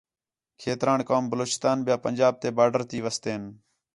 کھیتران قوم بلوچستان ٻیا پنجاب تے بارڈر تی وستین